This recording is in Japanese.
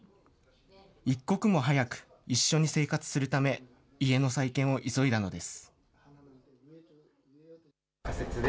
一刻も早く一緒に生活するため、家の再建を急いだのです。